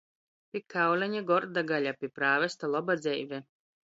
Pi kauleņa gorda gaļa, pi prāvesta loba dzeive.